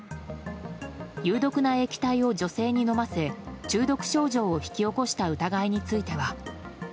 有毒な液体を女性に飲ませ中毒症状を引き起こした疑いについては。